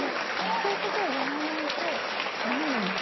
そういうことをやらないと駄目なんです。